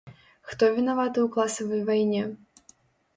Хто вінаваты ў класавай вайне?